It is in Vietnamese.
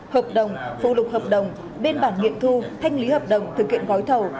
hợp đồng phụ lục hợp đồng bên bản nghiệp thu thanh lý hợp đồng thực hiện gói thầu